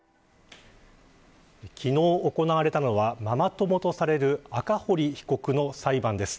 昨日行われたのはママ友とされる赤堀被告の裁判です。